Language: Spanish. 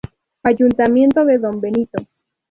Ayuntamiento de Don Benito.